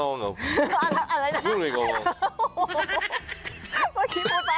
เมื่อกี้พูดอะไร